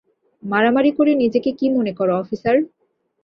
মারামারি করে নিজেকে কি মনে কর অফিসার?